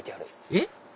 えっ？